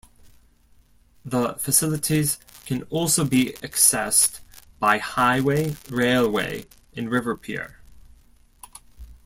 The facilities can also be accessed by highway, railway and river pier.